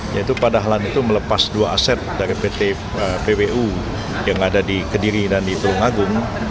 yaitu pak dahlan itu melepas dua aset dari pt pwu yang ada di kediri dan di tulungagung